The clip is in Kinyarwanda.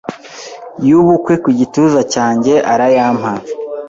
yubukwe ku gituza cyanjye arayampa